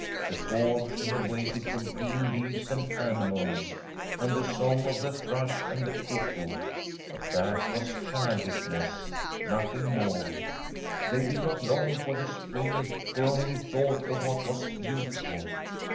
Before she had waited for green leaves and anemones, and the song of the thrush lio6] Tbi STORY of a COUNTRY HOUSE and the cuckoo. But that was childishness — nothing more. They did not long for the spring who only thought of what was beautiful.